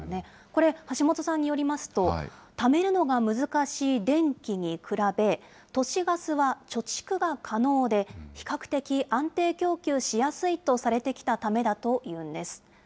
これ、橋本さんによりますと、ためるのが難しい電気に比べ、都市ガスは貯蓄が可能で、比較的安定供給しやすいとされてきたためだというんです。